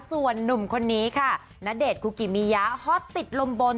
ส่วนนุ่มคนนี้ค่ะณเดชน์คุกิมิยาฮอตติดลมบน